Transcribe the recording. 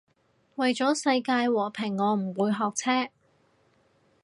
為咗世界和平我唔會學車